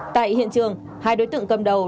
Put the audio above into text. tại hiện trường hai đối tượng cầm đầu